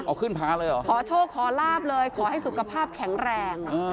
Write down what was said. เอาขึ้นพาเลยเหรอขอโชคขอลาบเลยขอให้สุขภาพแข็งแรง